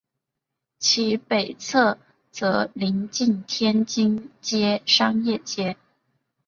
其北侧则邻近天津街商业街。